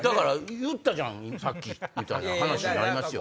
「言ったじゃんさっき」みたいな話になりますよ。